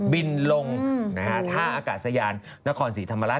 บินลงท่าอากาศยานนครศรีธรรมราช